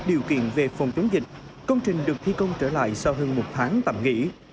điều kiện về phòng chống dịch công trình được thi công trở lại sau hơn một tháng tạm nghỉ